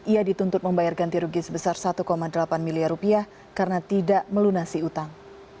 ia dituntut membayar ganti rugi sebesar satu delapan miliar rupiah karena tidak melunasi utang